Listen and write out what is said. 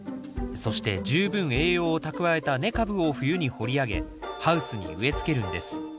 そして十分栄養を蓄えた根株を冬に掘り上げハウスに植えつけるんです。